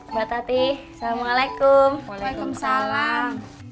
mbak tati assalamualaikum waalaikumsalam